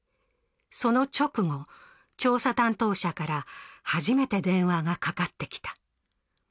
その直後、調査担当者から初めて電話がかかってきた。